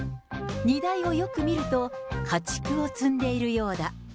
荷台をよく見ると、家畜を積んでいるようだ。